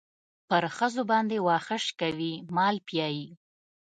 پر ښځو باندې واښه شکوي مال پيايي.